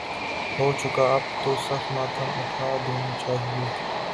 ہو چکا اب تو صف ماتم اٹھاد ینی چاہیے۔